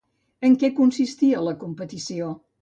En què consistia la competició?